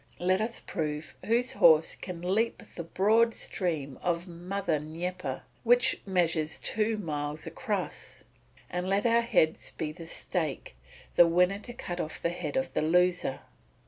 Let us prove whose horse can leap the broad stream of Mother Dnieper, which measures two miles across, and let our heads be the stake; the winner to cut off the head of the loser."